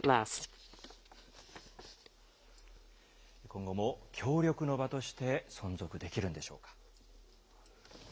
今後も協力の場として、存続できるんでしょうか。